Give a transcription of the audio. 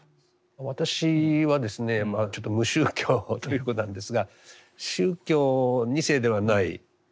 私はですねちょっと無宗教ということなんですが宗教２世ではない。